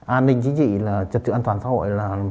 an ninh chính trị trật trực an toàn xã hội